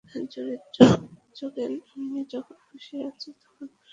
যোগেন এমনি যখন খুশি আসে যখন খুশি যায়, উহাকে ধরিয়া রাখা শক্ত।